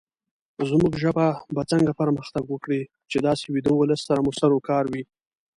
زمونږ ژبه به څنګه پرمختګ وکړې، چې داسې ويده ولس سره مو سروکار وي